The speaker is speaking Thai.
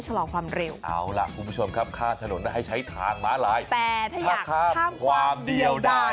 ส่งไลน์มาคุยกับเราสิคะวันนี้